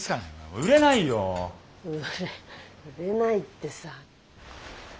売れないってさ。